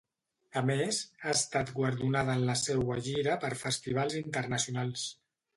A més, ha estat guardonada en la seua gira per festivals internacionals.